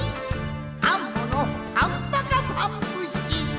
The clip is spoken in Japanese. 「アンモのパンパカパン節」！